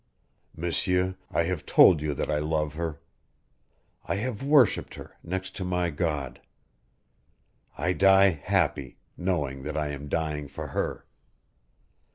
M'sieur, I have told you that I love her. I have worshiped her, next to my God. I die happy, knowing that I am dying for her.